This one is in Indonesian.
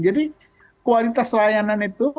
jadi kualitas layanan itu